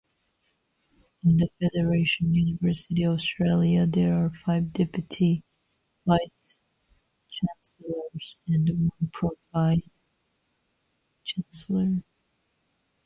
In the Federation University Australia, there are five deputy vice-chancellors and one pro-vice chancellor.